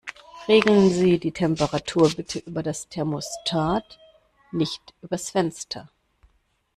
Regeln Sie die Temperatur bitte über das Thermostat, nicht übers Fenster.